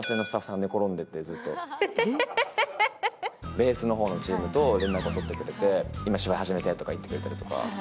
ベースのチームと連絡を取ってくれてて「今、芝居を始めたよ」とか言ってくれたりとか。